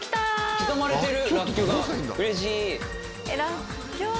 刻まれてる。